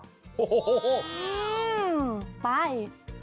โหไป